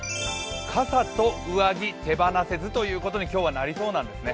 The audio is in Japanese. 傘と上着手放せずということに、今日はなりそうなんですね。